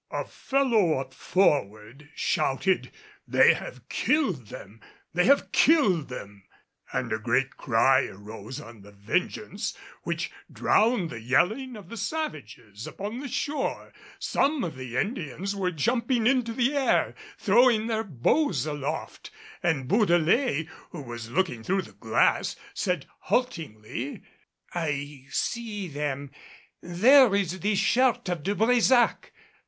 A fellow up forward shouted, "They have killed them! They have killed them!" and a great cry arose on the Vengeance which drowned the yelling of the savages upon the shore. Some of the Indians were jumping into the air and throwing their bows aloft; and Bourdelais, who was looking through the glass, said haltingly, "I see them there is the shirt of De Brésac.